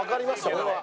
俺は。